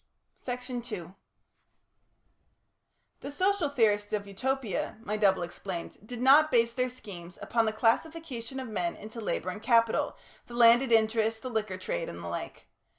Section 2 The social theorists of Utopia, my double explained, did not base their schemes upon the classification of men into labour and capital, the landed interest, the liquor trade, and the like.